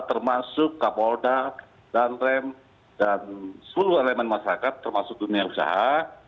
termasuk kapolda danrem dan seluruh elemen masyarakat termasuk dunia usaha